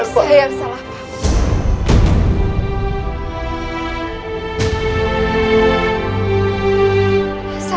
saya yang salah pak